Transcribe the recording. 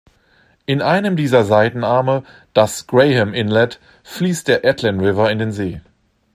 In einem dieser Seitenarme, das "Graham Inlet", fließt der Atlin River in den See.